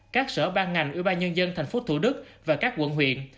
các sở ban ngành ủy ban nhân dân tp hcm và các quận huyện